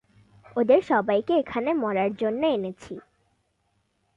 ওদের সবাইকে এখানে মরার জন্য এনেছি।